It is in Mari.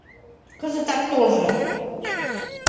Кызытак толжо.